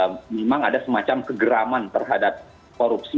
memang ada semacam kegeraman terhadap korupsi